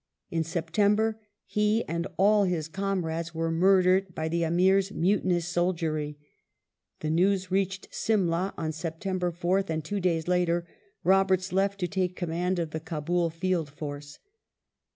In September he and all his comrades were murdered by the AmiVs mutinous soldiery. The news reached Simla on September 4th, and two days later Robei*ts left to take command of the Kabul Field Force.